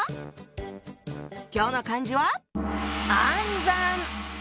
今日の漢字は「暗算」！